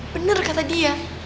bener kata dia